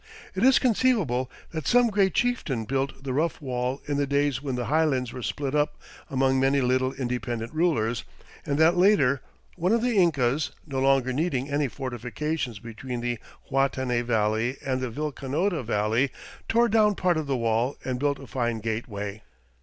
It is conceivable that some great chieftain built the rough wall in the days when the highlands were split up among many little independent rulers, and that later one of the Incas, no longer needing any fortifications between the Huatanay Valley and the Vilcanota Valley, tore down part of the wall and built a fine gateway.